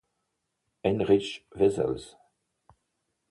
Heinrich Wessels.